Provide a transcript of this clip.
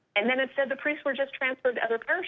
เวทย์นั้นเป็นต้องเป็นในที่มันมีอาฆาตเชิง